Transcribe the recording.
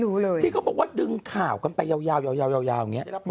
รู้เลยที่ก็บอกว่าดึงข่าวกันไปยาวนี้มัน